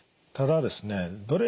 ただですね